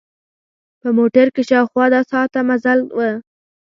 په موټر کې شاوخوا دوه ساعته مزل و.